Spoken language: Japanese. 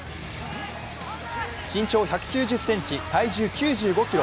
身長１９０ｃｍ、体重９５ｋｇ。